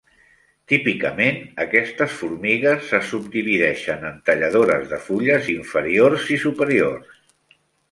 Típicament, aquestes formigues se subdivideixen en talladores de fulles "inferiors" i "superiors".